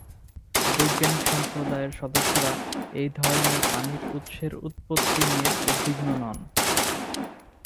বৈজ্ঞানিক সম্প্রদায়ের সদস্যরা এই ধরনের পানির উৎসের উৎপত্তি নিয়ে উদ্বিগ্ন নন।